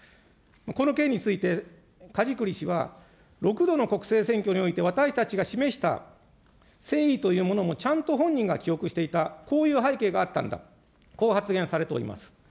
この件について、梶栗氏は６度の国政選挙において私たちが示した誠意というものを、ちゃんと本人が記憶していた、こういう背景があったんだ、こう発言されております。